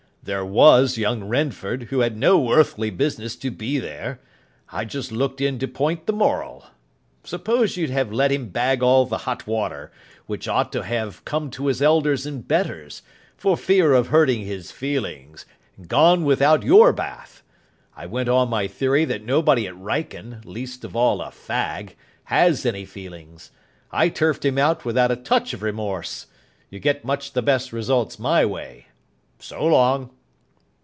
"There was young Renford, who had no earthly business to be there. I've just looked in to point the moral. Suppose you'd have let him bag all the hot water, which ought to have come to his elders and betters, for fear of hurting his feelings; and gone without your bath. I went on my theory that nobody at Wrykyn, least of all a fag, has any feelings. I turfed him out without a touch of remorse. You get much the best results my way. So long."